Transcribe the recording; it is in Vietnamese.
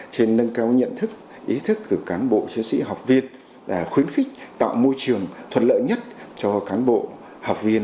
trên nâng cao nhận thức ý thức từ cán bộ chiến sĩ học viên là khuyến khích tạo môi trường thuận lợi nhất cho cán bộ học viên